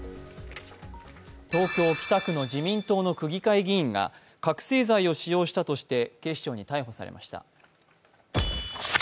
東京・北区の自民党の区議会議員が覚醒剤を使用したとして警視庁に逮捕されました。